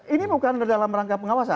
ini bukan dalam rangka pengawasan